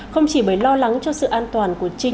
không chỉ bởi lo lắng cho sự an toàn của chính